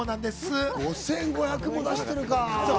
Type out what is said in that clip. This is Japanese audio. ５５００も出してるか。